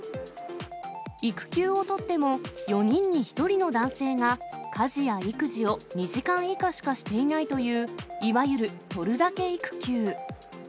育休を取っても、４人に１人の男性が家事や育児を２時間以下しかしていないという、いわゆる取るだけ育休。